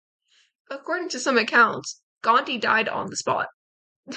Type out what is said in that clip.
According to some accounts, Gandhi died on the spot.